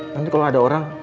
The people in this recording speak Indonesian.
nanti kalau ada orang